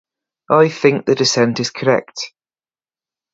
I think the dissent is correct.